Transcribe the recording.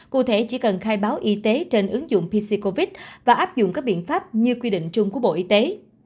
cụ thể chỉ cần khai báo y tế trên ứng dụng pc covid và áp dụng các biện pháp như quy định chung của bộ y tế